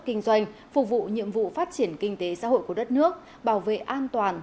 kinh doanh phục vụ nhiệm vụ phát triển kinh tế xã hội của đất nước bảo vệ an toàn